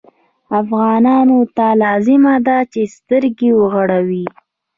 افغانانو ته لازمه ده چې سترګې وغړوي.